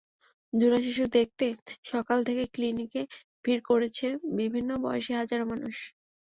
জোড়া শিশু দেখতে সকাল থেকেই ক্লিনিকে ভিড় করেছে বিভিন্ন বয়সী হাজারো মানুষ।